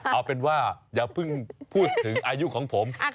เอาเป็นว่าอย่าเพิ่งพูดถึงอายุของผม